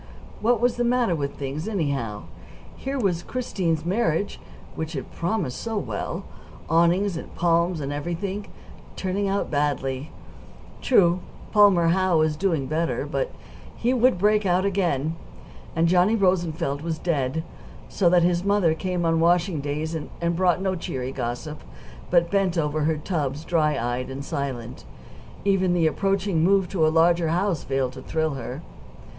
What was the matter with things, anyhow? Here was Christine's marriage, which had promised so well, awnings and palms and everything, turning out badly. True, Palmer Howe was doing better, but he would break out again. And Johnny Rosenfeld was dead, so that his mother came on washing days, and brought no cheery gossip; but bent over her tubs dry eyed and silent even the approaching move to a larger house failed to thrill her.